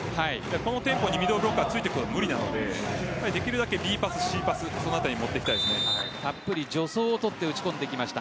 このテンポにミドルブロッカーがついていくのは無理なのでＢパス、Ｃパスの辺りにたっぷり助走を持って打ち込んできました。